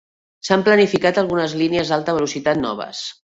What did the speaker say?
S'han planificat algunes línies d'alta velocitat noves.